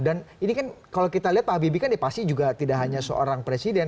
dan ini kan kalau kita lihat pak habibie kan ya pasti juga tidak hanya seorang presiden